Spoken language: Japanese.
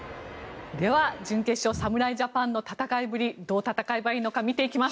では、準決勝侍ジャパンの戦いぶりどう戦えばいいのか見ていきます。